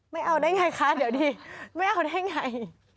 ไม่เอาได้ไงคะเดี๋ยวดีไม่เอาได้ไง